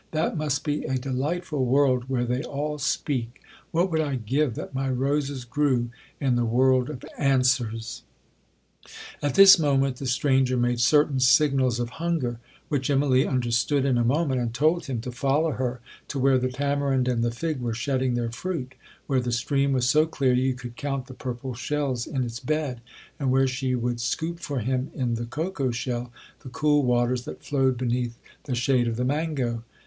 That must be a delightful world where they all speak—what would I give that my roses grew in the world of answers!' 'At this moment the stranger made certain signals of hunger, which Immalee understood in a moment, and told him to follow her to where the tamarind and the fig were shedding their fruit—where the stream was so clear, you could count the purple shells in its bed—and where she would scoop for him in the cocoa shell the cool waters that flowed beneath the shade of the mango.